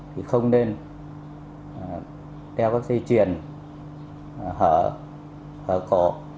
thì không nên đeo các xe chuyển hở hở cổ